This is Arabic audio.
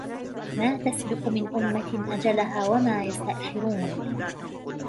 مَا تَسْبِقُ مِنْ أُمَّةٍ أَجَلَهَا وَمَا يَسْتَأْخِرُونَ